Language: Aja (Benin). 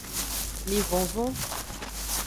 Mi vonvon.